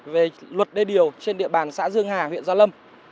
về luật đê điều trên địa bàn xã dương hà huyện gia lâm